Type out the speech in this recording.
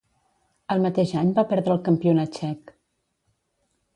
El mateix any va perdre el Campionat Txec.